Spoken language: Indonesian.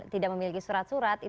tidak memiliki surat surat